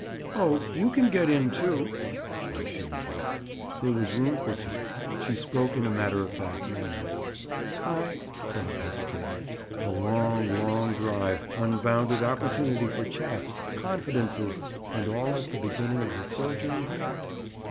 "Oh, you can get in, too." Why shouldn't he? There was room for two. She spoke in a matter of fact manner. "I—?" Bob hesitated. A long, long drive—unbounded opportunity for chats, confidences!—and all at the beginning of his sojourn here?